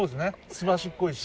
すばしっこいし。